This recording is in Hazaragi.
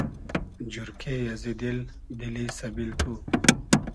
جورکې ازی دیل، دیلی سئبیل تو